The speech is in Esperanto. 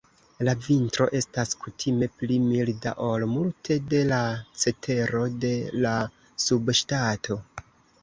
La vintro estas kutime pli milda ol multe de la cetero de la subŝtato.